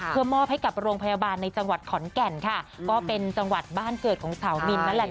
เพื่อมอบให้กับโรงพยาบาลในจังหวัดขอนแก่นค่ะก็เป็นจังหวัดบ้านเกิดของสาวมินนั่นแหละ